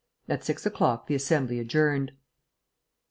At six o'clock the Assembly adjourned.